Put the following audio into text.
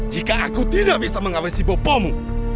jika aku tidak bisa mengawasi bopomu